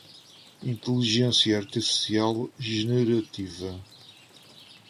Inteligência artificial generativa